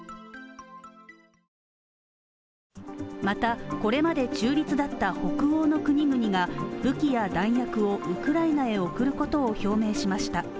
またこれまで中立だった北欧の国々が、武器や弾薬をウクライナへ送ることを表明しました。